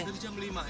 dari jam lima ya